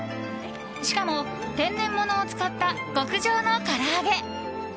しかも、天然物を使った極上のから揚げ。